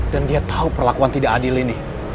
dan dia tau perlakuan tidak adil ini